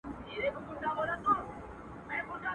څنګه دا کور او دا جومات او دا قلا سمېږي !.